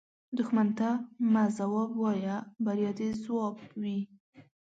دښمن ته مه ځواب وایه، بریا دې ځواب وي